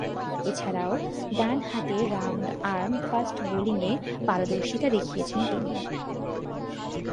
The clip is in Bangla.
এছাড়াও, ডানহাতে রাউন্ড-আর্ম ফাস্ট বোলিংয়ে পারদর্শীতা দেখিয়েছেন তিনি।